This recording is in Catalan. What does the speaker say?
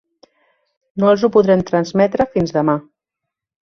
No els ho podrem trametre fins demà.